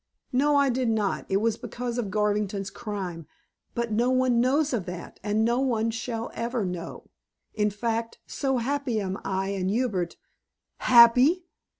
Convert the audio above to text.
"No, I did not. It was because of Garvington's crime. But no one knows of that, and no one ever shall know. In fact, so happy am I and Hubert " "Happy?"